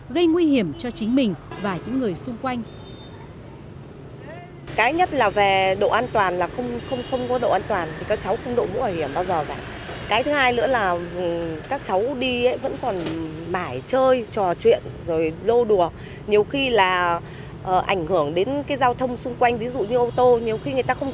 gây nguy hiểm cho chính mình và những người xung quanh